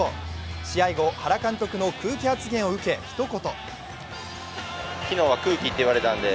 試合後、原監督の空気発言を受け一言。